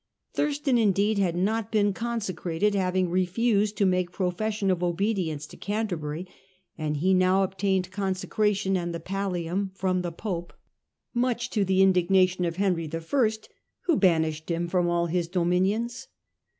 Thurstan, indeed, had not been consecrated, having refused to make profession of obedience to Canterbury, but he now obtained consecration and the pallium from the pope, much to the indignation of Henry I., who banished him from all his dominions.